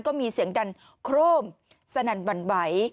ก็มีเสียงดันโคร่มสนั่นบรรไบ